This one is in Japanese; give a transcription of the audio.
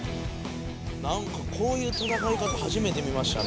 なんかこういう戦いかたはじめて見ましたね。